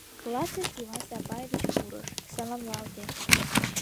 Классыш Иван Сапаевич пурыш, саламлалте.